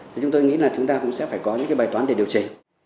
thì chúng tôi nghĩ là chúng ta cũng sẽ phải có những cái bài toán để điều chỉnh